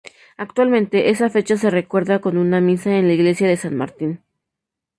Actualmente esa fecha se recuerda con una misa en la iglesia de San Martín.